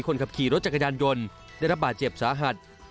คนขับขี่รถจักรยานยนต์ได้รับบาดเจ็บสาหัส